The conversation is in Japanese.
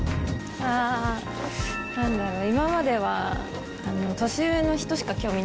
ああなんだろう。